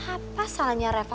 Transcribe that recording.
apa salahnya reva